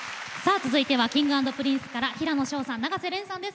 続いてはＫｉｎｇ＆Ｐｒｉｎｃｅから平野紫耀さんと永瀬廉さんです。